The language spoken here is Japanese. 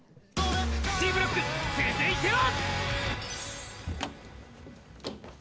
Ｃブロック、続いては。